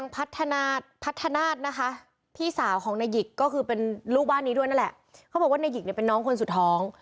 พัฒนาหยิกก็คือเป็นลูกบ้านนี้ด้วยนั่นแหละเขาบอกว่านายหิกเนี่ยเป็นน้องคนสุดท้อง